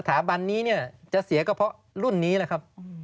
บันนี้เนี่ยจะเสียก็เพราะรุ่นนี้แหละครับ